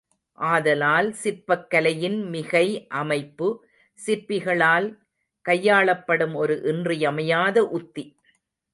ஆதலால் சிற்பக் கலையின் மிகை அமைப்பு, சிற்பிகளால் கையாளப்படும் ஒரு இன்றியமையாத உத்தி.